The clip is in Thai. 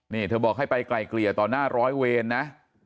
นี่เธอบอกให้ไปไกลเกลี่ยต่อหน้าร้อยเวรนะ